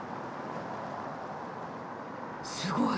すごい！